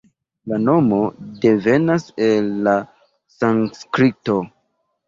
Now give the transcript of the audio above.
La nomo devenas el la sanskrito.